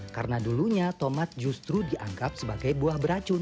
karena dulunya tomat justru dianggap sebagai buah beracun